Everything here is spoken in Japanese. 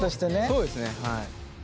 そうですねはい。